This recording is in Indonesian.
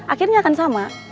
akhirnya akan sama